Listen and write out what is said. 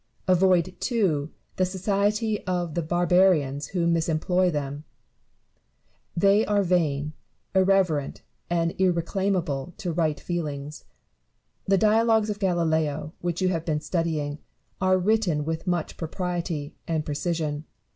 Avoid, too, the society of the barbarians who misemploy them : they are vain, irreverent, and irreclaimable to right feel ings. The dialogues of Galileo, which you have been studying, are written with much propriety and precision.